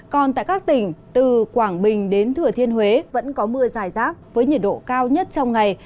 còn tại các tỉnh từ quảng bình đến thừa thiên huế vẫn có mưa dài rác với nhiệt độ cao nhất trong ngày